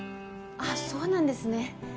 あそうなんですね。